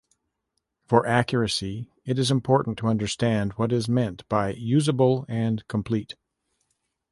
For accuracy, it is important to understand what is meant by usable and complete.